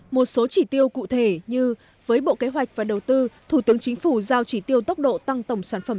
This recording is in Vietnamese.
một số chỉ tiêu cụ thể như với bộ kế hoạch và đầu tư thủ tướng chính phủ giao chỉ tiêu tốc độ tăng tổng sản phẩm